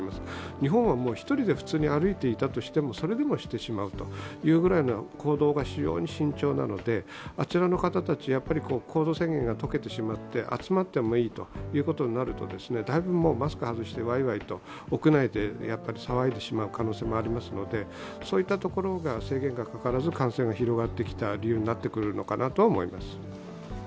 日本は普通に一人で歩いていたとしてもそれでもしてしまうというぐらいの、行動が非常に慎重なのであちらの方たちは行動制限が解けてしまって集まってもいいということになると、だいぶマスク外してワイワイと屋内でやっぱり騒いでしまう可能性もありますのでそういったところが制限がかからず感染が広がってきた理由なのかなと思います。